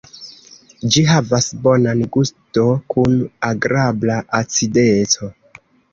Ĝi havas bonan gusto kun agrabla acideco.